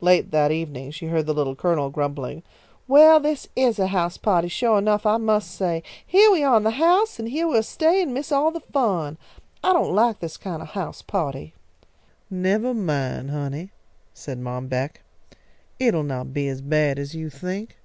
Late that evening she heard the Little Colonel grumbling: "Well, this is a house pahty suah enough, I must say! Heah we are in the house, and heah we'll stay and miss all the fun. I don't like this kind of a house pahty!" "Nevah mine, honey," said Mom Beck. "It'll not be as bad as you think.